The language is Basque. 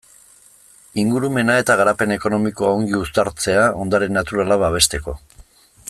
Ingurumena eta garapen ekonomikoa ongi uztatzea, ondare naturala babesteko.